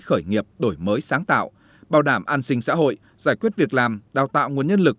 khởi nghiệp đổi mới sáng tạo bảo đảm an sinh xã hội giải quyết việc làm đào tạo nguồn nhân lực